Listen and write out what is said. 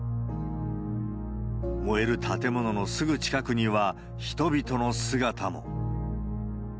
燃える建物のすぐ近くには、人々の姿も。